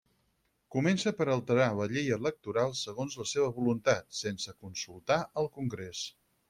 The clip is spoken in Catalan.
Comença per alterar la llei electoral segons la seva voluntat, sense consultar al Congrés.